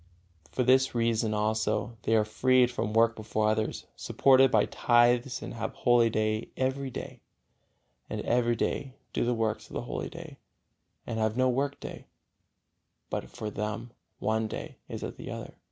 For this reason also they are freed from work before others, supported by tithes and have holy day every day, and every day do the works of the holy day, and have no work day, but for them one day is as the other.